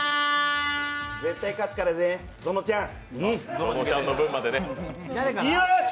絶対勝つからね、ぞのちゃん。